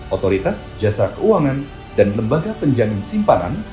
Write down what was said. otoritas jasa keuangan dan lembaga penjamin simpanan